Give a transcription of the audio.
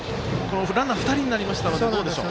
ランナー２人になりましたのでどうでしょう。